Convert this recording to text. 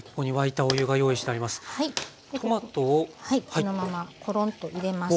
このままコロンと入れます。